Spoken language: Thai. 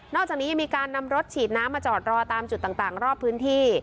อกจากนี้ยังมีการนำรถฉีดน้ำมาจอดรอตามจุดต่างรอบพื้นที่